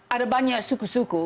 ada banyak suku suku